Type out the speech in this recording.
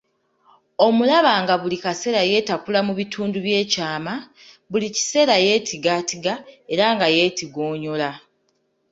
Omulaba nga buli kaseera yeetakula mu bitundu by'ekyama, buli kiseera yeetigaatiga era nga yeetigonyoola.